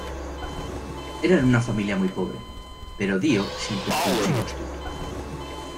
Eran una familia muy pobre, pero Dio siempre fue un chico astuto.